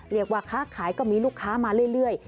เรียกว่าค้าขายก็มีลูกค้ามาเรื่อย